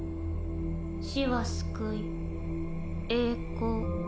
死は救い栄光。